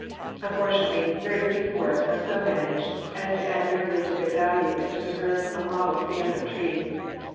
Unfortunately very few forests are so managed as to add yearly to their value and to preserve a model stand of trees.